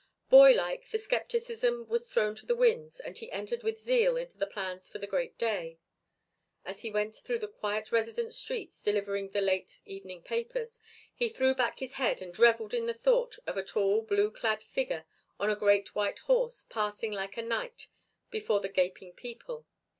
Boylike, the scepticism was thrown to the winds and he entered with zeal into the plans for the great day. As he went through the quiet residence streets delivering the late evening papers, he threw back his head and revelled in the thought of a tall blue clad figure on a great white horse passing like a knight before the gaping people.